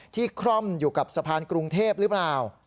คร่อมอยู่กับสะพานกรุงเทพหรือเปล่า